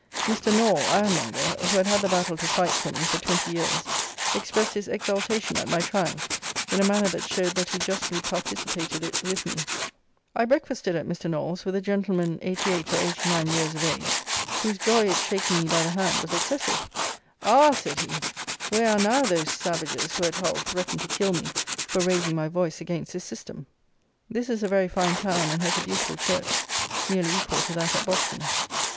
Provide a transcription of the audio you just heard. Mr. Naull, ironmonger, who had had the battle to fight for me for twenty years, expressed his exultation at my triumph in a manner that showed that he justly participated it with me. I breakfasted at Mr. Naull's with a gentleman 88 or 89 years of age, whose joy at shaking me by the hand was excessive. "Ah!" said he, "where are now those savages who, at Hull, threatened to kill me for raising my voice against this system?" This is a very fine town, and has a beautiful church, nearly equal to that at Boston.